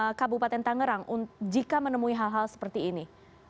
bagaimana kabupaten tangerang jika menemui hal hal seperti ini